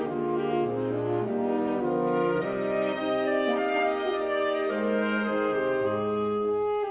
優しい。